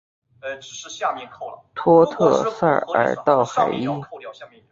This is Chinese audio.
托特塞尔道海伊。